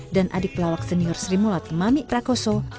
dan adik pelawak senior sri mulat mami prakoso